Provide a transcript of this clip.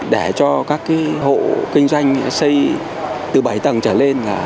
để cho các hộ kinh doanh xây từ bảy tầng trở lên